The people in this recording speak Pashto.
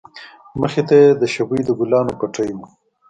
مخې ته يې د شبۍ د گلانو پټى و.